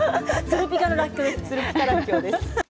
ツルピカらっきょうです。